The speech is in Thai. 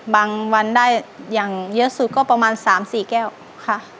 วันได้อย่างเยอะสุดก็ประมาณ๓๔แก้วค่ะ